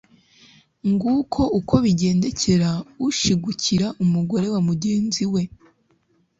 nguko uko bigendekera ushigukira umugore wa mugenzi we